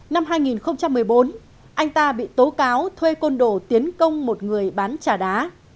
năm hai nghìn một mươi bốn anh ta bị tố cáo thuê côn đồ tiến công một người bán trà đá